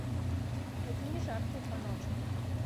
Гэта не жарты, паночку.